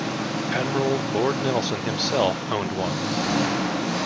Admiral Lord Nelson himself owned one.